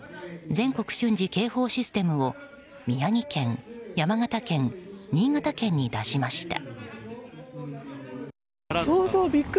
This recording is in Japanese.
・全国瞬時警報システムを宮城県、山形県、新潟県に出しました。